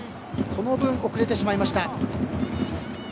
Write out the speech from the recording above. その分、遅れてしまいました。